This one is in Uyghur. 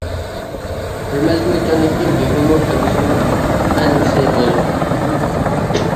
بىر مەزگىل ئۆتكەندىن كېيىن بۈگۈنمۇ كەلگۈسىنىڭ ئەنئەنىسى بولىدۇ.